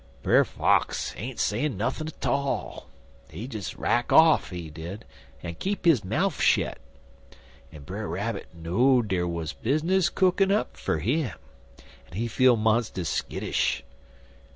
"Brer Fox ain't sayin' nuthin' 'tall. He des rack off, he did, en keep his mouf shet, en Brer Rabbit know'd der wuz bizness cookin' up fer him, en he feel monstus skittish.